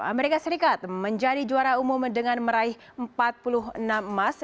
amerika serikat menjadi juara umum dengan meraih empat puluh enam emas